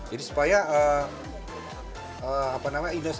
jadi supaya apa namanya